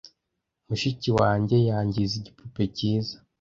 Mushiki wanjye yangize igipupe cyiza.